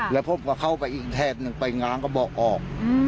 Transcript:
แล้วผมก็เข้าไปอีกแถบหนึ่งไปง้างกระบอกออก